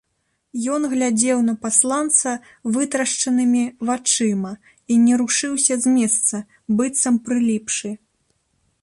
Ён глядзеў на пасланца вытрашчанымі вачыма і не рушыўся з месца, быццам прыліпшы.